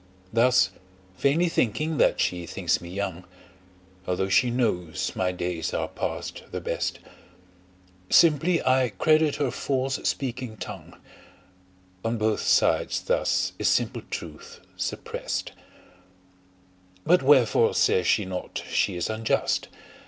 Thus vainly thinking that she thinks me young, Although she knows my days are past the best, Simply I credit her false speaking tongue: On both sides thus is simple truth suppressed: But wherefore says she not she is unjust?